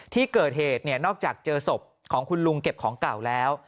ที่เกิดเหตุนอกจากเจอศพของคุณลุงเก็บของเก่าแล้ว